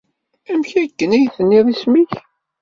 Amek akken ay d-tenniḍ isem-nnek?